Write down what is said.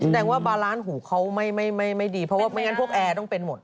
แสดงว่าบาร้านหูเขาไม่ดีเพราะว่าไม่งั้นพวกแอร์ต้องเป็นหมด